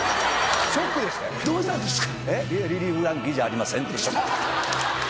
どうしたんですか？